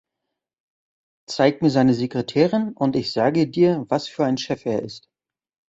Zeig mir seine Sekretärin und ich sage dir, was für ein Chef er ist.